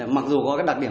mặc dù có đặc điểm